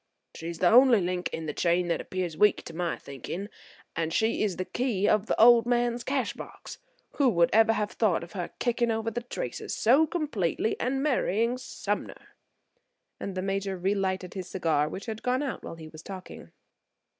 "She's the only link in the chain that appears weak to my thinking, and she is the key of the old man's cash box. Who would ever have thought of her kicking over the traces so completely and marrying Sumner?" and the Major relighted his cigar, which had gone out while he was talking.